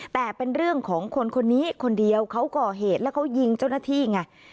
แต่เป็นเรื่องของคนคนนี้คนเดียวเขาก่อเหตุแล้วเขายิงเจ้าหน้าที่ไง